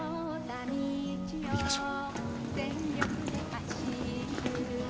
行きましょう。